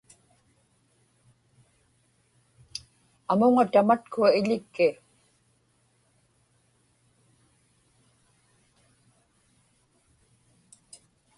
amuŋa tamatkua iḷikki